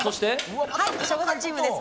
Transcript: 省吾さんチームです。